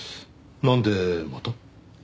なんでまた？